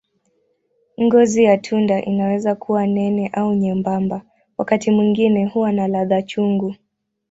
Ngozi ya tunda inaweza kuwa nene au nyembamba, wakati mwingine huwa na ladha chungu.